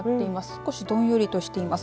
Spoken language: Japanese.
少しどんよりとしています。